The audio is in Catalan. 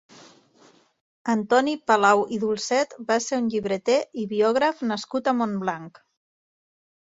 Antoni Palau i Dulcet va ser un llibreter i biògraf nascut a Montblanc.